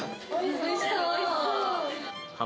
おいしそう。